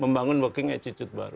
membangun walking attitude baru